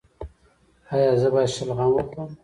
ایا زه باید شلغم وخورم؟